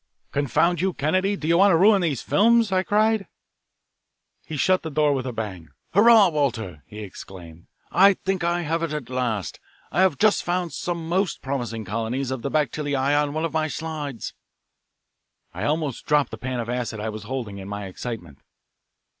"Confound you, Kennedy, do you want to ruin these films!" I cried. He shut the door with a bang. "Hurrah, Walter!" he exclaimed. "I think I have it, at last. I have just found some most promising colonies of the bacilli on one of my slides." I almost dropped the pan of acid I was holding, in my excitement.